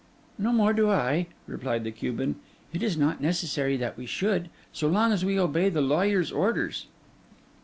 'No more do I,' replied the Cuban. 'It is not necessary that we should, so long as we obey the lawyer's orders.